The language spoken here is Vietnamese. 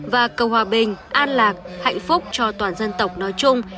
và cầu hòa bình an lạc hạnh phúc cho toàn dân tộc nói chung